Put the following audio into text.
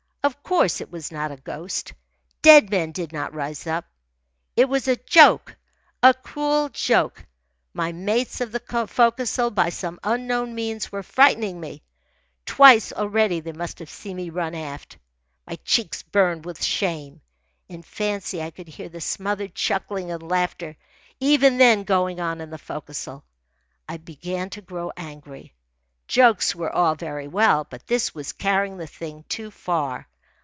Of course it was not a ghost. Dead men did not rise up. It was a joke, a cruel joke. My mates of the forecastle, by some unknown means, were frightening me. Twice already must they have seen me run aft. My cheeks burned with shame. In fancy I could hear the smothered chuckling and laughter even then going on in the forecastle. I began to grow angry. Jokes were all very well, but this was carrying the thing too far.